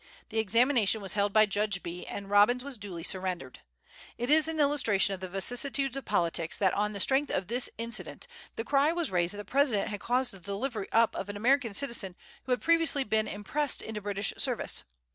The examination was held by Judge Bee, and Robbins was duly surrendered. It is an illustration of the vicissitudes of politics that, on the strength of this incident, the cry was raised that the President had caused the delivery up of an American citizen who had previously been impressed into the British service.